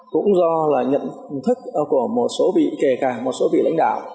cũng do là nhận thức của một số vị kể cả một số vị lãnh đạo